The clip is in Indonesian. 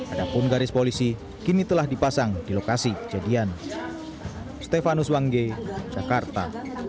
adapun garis polisi kini telah dipasang di lokasi kejadian stefanus wangge jakarta